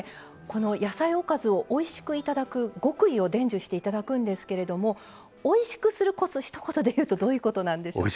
この野菜おかずをおいしく頂く極意を伝授していただくんですけれどもおいしくするコツひと言でいうとどういうことなんでしょう？